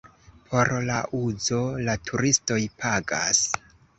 Por la uzo la turistoj pagas.